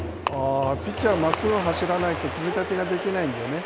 ピッチャーまっすぐが走らないと組み立てができないのでね